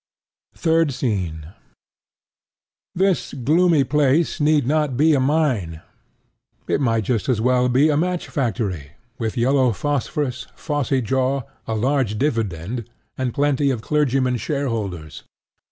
Third Scene This gloomy place need not be a mine: it might just as well be a match factory, with yellow phosphorus, phossy jaw, a large dividend, and plenty of clergymen shareholders.